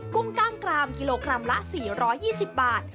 กุ้งกล้ามกรามกิโลกรัมละ๔๒๐บาท